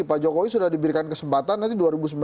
pak jokowi sudah diberikan kesempatan nanti dua ribu sembilan belas